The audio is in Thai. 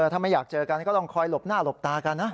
ถ้าไม่อยากเจอกันก็ต้องคอยหลบหน้าหลบตากันนะ